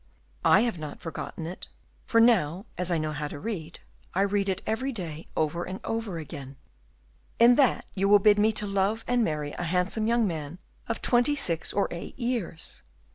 I have not forgotten it; for now, as I know how to read, I read it every day over and over again. In that will you bid me to love and marry a handsome young man of twenty six or eight years.